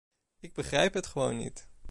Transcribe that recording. Ik begrijp het gewoon niet.